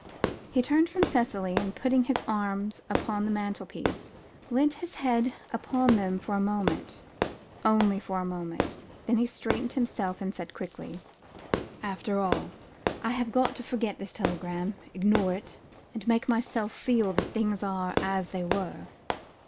He turned from Cicely, and, putting his arms upon the mantelpiece, leant his head upon them for a moment only for a moment then he straightened himself, and said quietly "After all, I have got to forget this telegram, ignore it, and make myself feel that things are 'as they were.'"